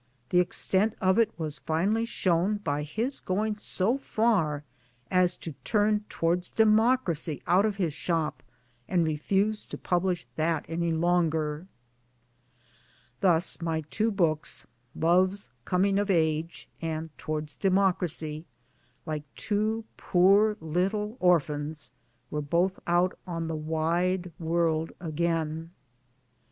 The extent of it was finally shown by his going so far as to turn Towards Democracy out of his shop, and refuse to publish that any longer I Thus my two books Love's Coming of Age and Towards Democracy like two poor little orphans were both out on the wide world again.